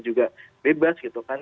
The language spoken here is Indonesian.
juga bebas gitu kan